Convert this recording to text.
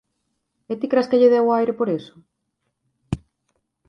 _¿E ti cres que lle deu o aire por eso?